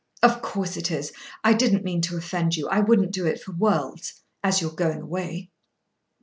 "Of course it is. I didn't mean to offend you. I wouldn't do it for worlds, as you are going away."